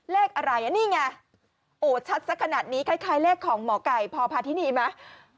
เลขอะไรนี่ไงโอ้ชัดสักขนาดนี้คล้ายเลขของหมอไก่พพาธินีไหม